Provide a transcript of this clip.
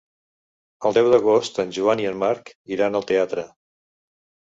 El deu d'agost en Joan i en Marc iran al teatre.